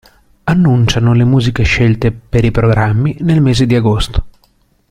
Annunciano le musiche scelte per i programmi nel mese di agosto.